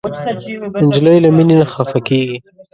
نجلۍ له مینې نه خفه کېږي.